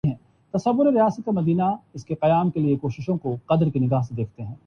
کہ مختلف مذہبی مسالک کی وجہ سے ایک ہی معاملے میں مختلف اور متضاد فتوے منظرِ عام پر آتے ہیں